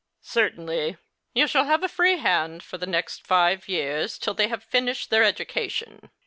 " Certainly ; you shall have a free hand for the next five years, till they have finished their education.